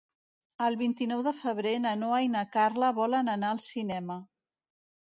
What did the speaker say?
El vint-i-nou de febrer na Noa i na Carla volen anar al cinema.